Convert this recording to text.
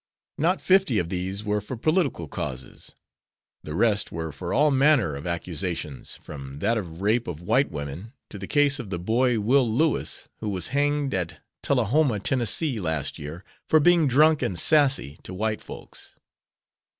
Not fifty of these were for political causes; the rest were for all manner of accusations from that of rape of white women, to the case of the boy Will Lewis who was hanged at Tullahoma, Tenn., last year for being drunk and "sassy" to white folks.